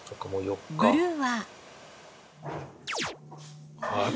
ブルーは。